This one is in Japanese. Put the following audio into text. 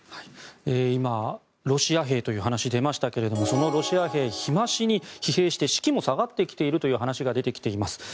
今、ロシア兵という話が出ましたけれどそのロシア兵日増しに疲弊して士気も下がっているという話が出てきています。